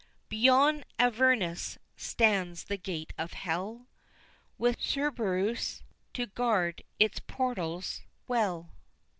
Beyond Avernus stands the gate of Hell, With Cerberus to guard its portals well.